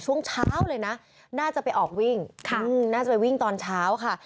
ช่วงเช้าเลยนะน่าจะไปออกวิ่งน่าจะไปวิ่งตอนเช้าค่ะ